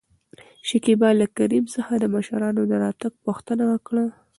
شکيبا له کريم څخه د مشرانو د راتګ پوښتنه وکړه.